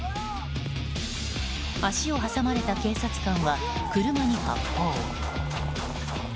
足を挟まれた警察官は車に発砲。